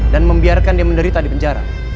jangan lakukan yang menderita di penjara